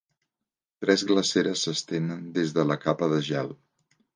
Tres glaceres s'estenen des de la capa de gel.